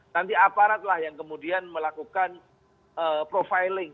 nanti aparatlah yang kemudian melakukan profiling